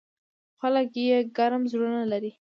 خو خلک یې ګرم زړونه لري.